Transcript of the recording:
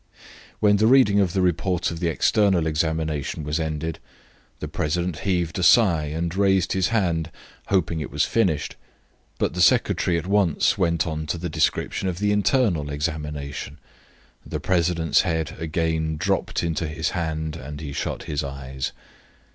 When the reading of the report of the external examination was ended, the president heaved a sigh and raised his hand, hoping it was finished; but the secretary at once went on to the description of the internal examination. The president's head again dropped into his hand and he shut his eyes.